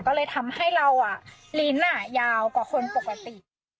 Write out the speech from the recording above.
ก็เลยทำให้เราลิ้นยาวกว่าคนปกติ